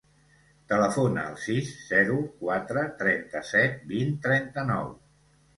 Telefona al sis, zero, quatre, trenta-set, vint, trenta-nou.